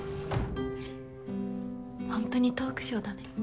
ほんとにトークショーだね。